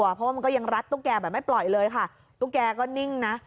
เพราะว่ามันก็ยังรัดตุ๊กแกแบบไม่ปล่อยเลยค่ะตุ๊กแกก็นิ่งนะ